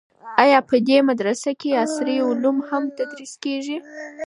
آیا په دې مدرسه کې عصري علوم هم تدریس کیږي؟